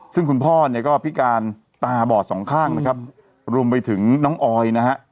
ซึ่งคุณพ่อเนี่ยก็พิการตาบอดสองข้างนะครับรวมไปถึงน้องออยนะฮะ